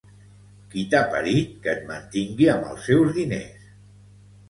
Qui t'ha parit que et mantingui amb els seus diners